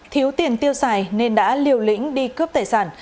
thiếu tiền tiêu xài nên đã liều lĩnh đi cướp tài sản